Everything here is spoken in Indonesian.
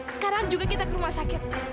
sekarang juga kita ke rumah sakit